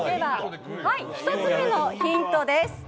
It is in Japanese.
１つ目のヒントです。